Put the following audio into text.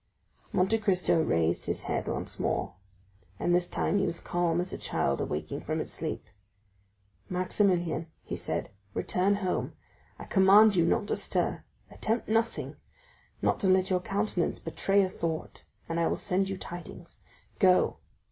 Monte Cristo raised his head once more, and this time he was calm as a child awaking from its sleep. "Maximilian," said he, "return home. I command you not to stir—attempt nothing, not to let your countenance betray a thought, and I will send you tidings. Go."